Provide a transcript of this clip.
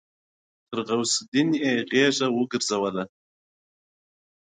تر غوث الدين يې غېږه وګرځوله.